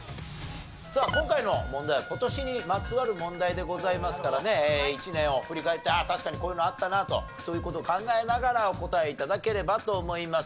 今回の問題は今年にまつわる問題でございますからね１年を振り返って確かにこういうのあったなあとそういう事を考えながらお答え頂ければと思います。